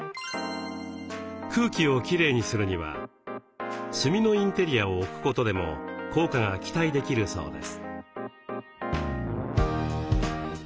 空気をきれいにするには炭のインテリアを置くことでも効果が期待できるそうです。